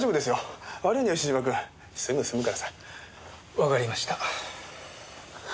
わかりました。